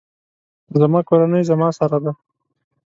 زما کورنۍ زما سره ده